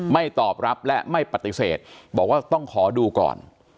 ตอบรับและไม่ปฏิเสธบอกว่าต้องขอดูก่อน